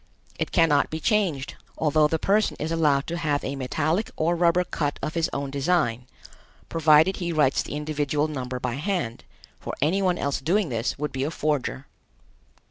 It cannot be changed, although the person is allowed to have a metallic or rubber cut of his own design, provided he writes the individual number by hand, for any one else doing this would be a forger.